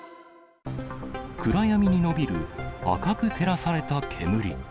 暗闇に伸びる赤く照らされた煙。